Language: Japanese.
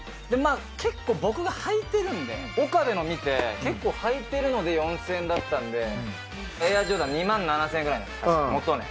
結構、僕が履いてるんで、岡部の見て、結構履いてるので４０００円だったんで、エアジョーダン２万７０００円ぐらいなんです、確か、元値。